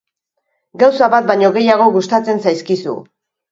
Gauza bat baino gehiago gustatzen zaizkizu.